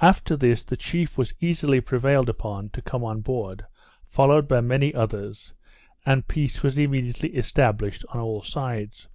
After this the chief was easily prevailed upon to come on board, followed by many others, and peace was immediately established on all sides.